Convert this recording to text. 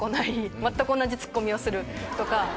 全く同じツッコミをするとか。